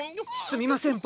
すみません